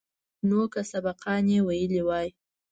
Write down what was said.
نو که سبقان يې ويلي واى.